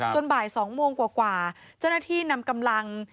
บ่าย๒โมงกว่าเจ้าหน้าที่นำกำลัง